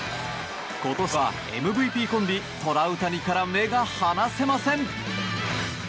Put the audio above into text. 今年はＭＶＰコンビトラウタニから目が離せません。